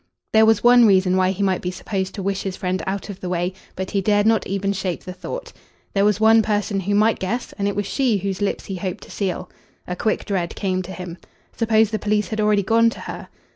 There was one reason why he might be supposed to wish his friend out of the way, but he dared not even shape the thought. There was one person who might guess, and it was she whose lips he hoped to seal. A quick dread came to him. Suppose the police had already gone to her.